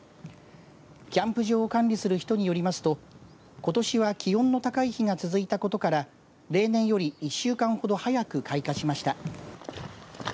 キャンプ場を管理する人によりますとことしは気温の高い日が続いたことから例年より１週間ほど早く開花しました。